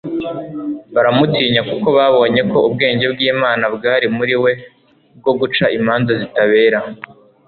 baramutinya, kuko babonye ko ubwenge bw'imana bwari muri we bwo guca imanza zitabera